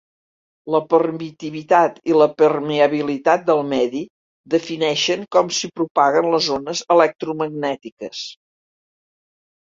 La permitivitat i la permeabilitat del medi defineixen com s'hi propaguen les ones electromagnètiques.